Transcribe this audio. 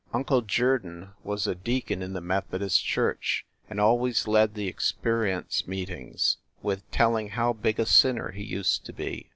Uncle Jerdon was a deacon in the Methodist church, and always led the experience meetings with telling how big a sinner he used to be.